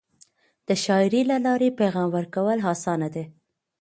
د شاعری له لارې پیغام ورکول اسانه دی.